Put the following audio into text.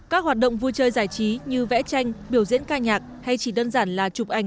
các hoạt động vui chơi giải trí như vẽ tranh biểu diễn ca nhạc hay chỉ đơn giản là những hoạt động vui chơi giải trí